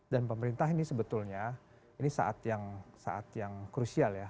dan pemerintah ini sebetulnya ini saat yang saat yang krusial ya